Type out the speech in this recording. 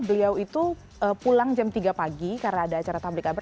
beliau itu pulang jam tiga pagi karena ada acara tablik abk